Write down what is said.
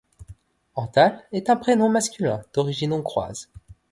Antal est un prénom masculin d'origine hongroise.